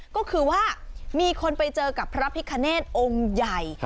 ก็คือว่ามีคนไปเจอกับพระพิคเนธองค์ใหญ่